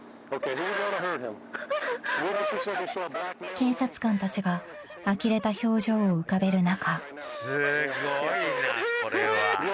［警察官たちがあきれた表情を浮かべる中］